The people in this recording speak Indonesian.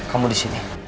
kamu di sini